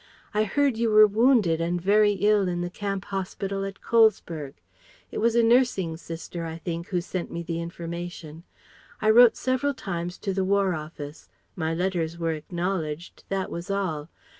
"I heard you were wounded and very ill in the camp hospital at Colesberg. It was a nursing sister, I think, who sent me the information. I wrote several times to the War Office, my letters were acknowledged, that was all.